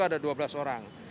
ada dua belas orang